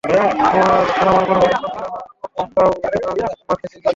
আর আমার কোন প্রশিক্ষণই ছিল না, তাও দেখো আমি তোমার থেকে এগিয়ে।